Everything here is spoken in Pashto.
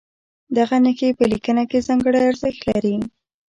دغه نښې په لیکنه کې ځانګړی ارزښت لري.